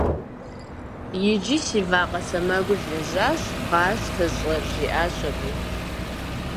- Иджы си вакъэ сэмэгур лэжьащ, къащтэ щӀэр, - жиӀащ абы.